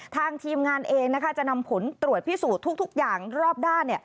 ทีมงานเองนะคะจะนำผลตรวจพิสูจน์ทุกอย่างรอบด้าน